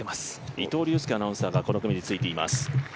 伊藤隆佑アナウンサーがこの組についています。